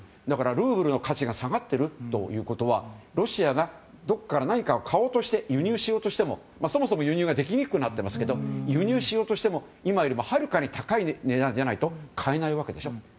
だから、ルーブルの価値が下がっているということはロシアがどこかから何かを買おうとして輸入しようとしても、そもそも輸入ができにくくなってますけど輸入しようとしても、今よりもはるかに高い値段じゃないと買えないわけでしょ。